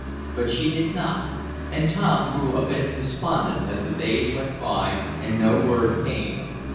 But she did not, and Tom grew a bit despondent as the days went by and no word came.